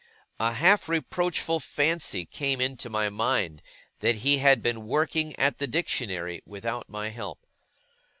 A half reproachful fancy came into my mind, that he had been working at the Dictionary without my help.